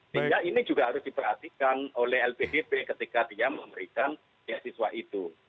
sehingga ini juga harus diperhatikan oleh lbdp ketika dia memberikan beasiswa itu